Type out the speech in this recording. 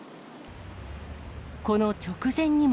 この直前にも。